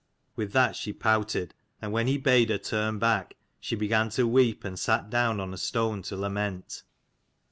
With that she pouted, and when he bade her turn back, she began to weep, and sat down on a stone to lament.